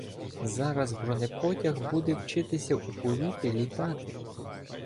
Зараз бронепотяг буде вчитися у повітрі літати.